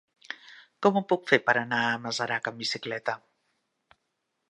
Com ho puc fer per anar a Masarac amb bicicleta?